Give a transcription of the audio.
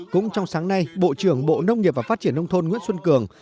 cũng trong sáng nay bộ trưởng bộ nông nghiệp và phát triển nông thôn nguyễn xuân cường